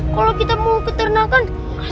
kalau kita mau keberenangkan